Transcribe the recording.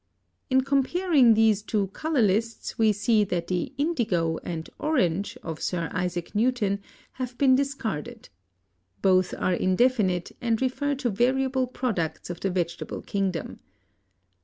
In comparing these two color lists, we see that the "indigo" and "orange" of Sir Isaac Newton have been discarded. Both are indefinite, and refer to variable products of the vegetable kingdom.